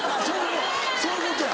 そういうことや。